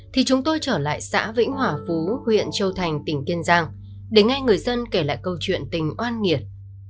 thì chúng tôi trở lại xã vĩnh hỏa phú huyện châu thành để nghe người dân kể lại câu chuyện tình oan nghiệt